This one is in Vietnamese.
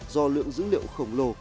do lượng dữ liệu khổng lồ